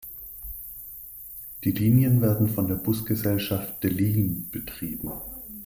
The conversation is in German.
Die Linien werden von der Busgesellschaft De Lijn betrieben.